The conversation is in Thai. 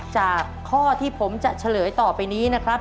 จากข้อที่ผมจะเฉลยต่อไปนี้นะครับ